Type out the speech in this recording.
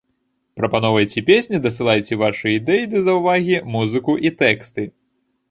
Прапаноўвайце песні, дасылайце вашы ідэі ды заўвагі, музыку і тэксты.